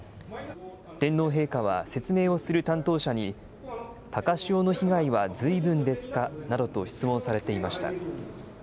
天皇陛下は説明をする担当者に、高潮の被害はずいぶんですかなどと質問されていました。